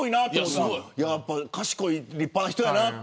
やっぱり賢い立派な人やなと。